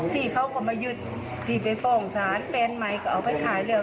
พี่เขาก็มายึดที่ไปฟ้องศาลแฟนใหม่ก็เอาไปขายแล้ว